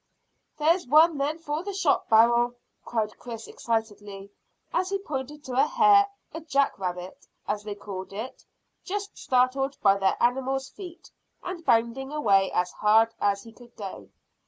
"There's one then for the shot barrel," cried Chris excitedly, as he pointed to a hare a jack rabbit, as they called it just startled by their animals' feet, and bounding away as hard as he could go.